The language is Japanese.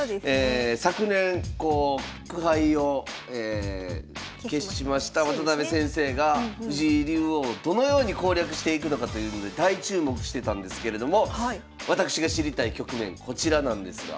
昨年苦杯を喫しました渡辺先生が藤井竜王をどのように攻略していくのかというので大注目してたんですけれども私が知りたい局面こちらなんですが。